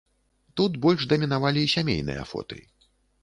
Тут больш дамінавалі сямейныя фоты.